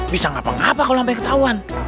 bisa ngapa ngapa kalau ngapain ketahuan